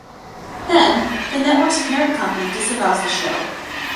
Then, the network's parent company disavows the show.